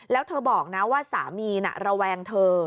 แล้วเธอบอกนะว่าสามีน่ะระแวงเธอ